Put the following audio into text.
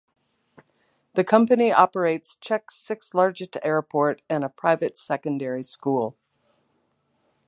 The company operates Czech sixth largest airport and a private secondary school.